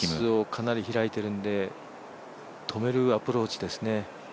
かなり開いているんで止めるアプローチですね。